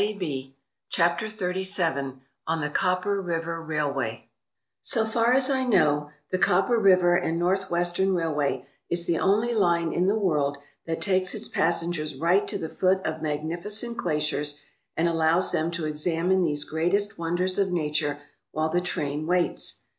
295 CHAPTER XXXVII ON THE COPPER RIVER RAILWAY S) FAR as I know, the Copper River and North western Railway is the only line in the world that takes its passengers right to the foot of magnificent glaciers and allows them to ex amine these greatest wonders of Nature while the train waits.